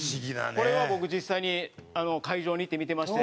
これは僕実際に会場に行って見てまして。